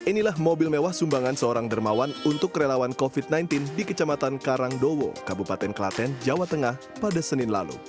inilah mobil mewah sumbangan seorang dermawan untuk relawan covid sembilan belas di kecamatan karangdowo kabupaten klaten jawa tengah pada senin lalu